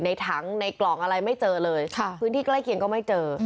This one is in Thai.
ในถังในกล่องอะไรไม่เจอเลยพื้นที่ใกล้เคียงก็ไม่เจอ